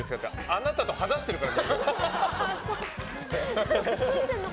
あなたと話してるから。